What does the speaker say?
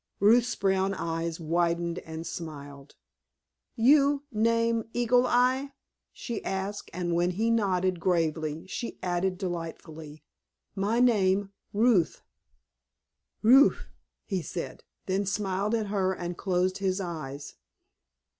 Ruth's brown eyes widened and smiled. "You name Eagle Eye?" she asked, and when he nodded gravely she added delightedly, "My name Ruth." "Woof!" he said, then smiled at her and closed his eyes.